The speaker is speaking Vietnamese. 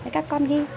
các con ghi